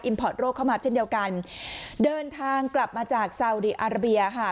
พอร์ตโรคเข้ามาเช่นเดียวกันเดินทางกลับมาจากซาวดีอาราเบียค่ะ